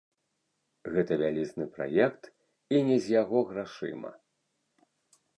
Гэта вялізны праект і не з яго грашыма.